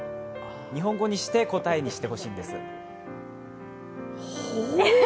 日本語にして答えにしてほしいんです。